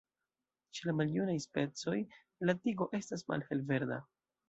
Ĉe la maljunaj specoj, la tigo estas malhelverda.